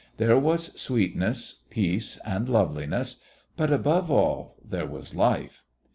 There was sweetness, peace, and loveliness; but above all, there was life.